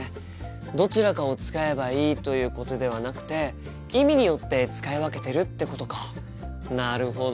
どちらかを使えばいいということではなくて意味によって使い分けてるってことかなるほど。